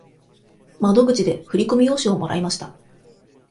窓口で振り込み用紙をもらいました。